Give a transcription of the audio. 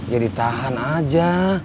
ya ditahan aja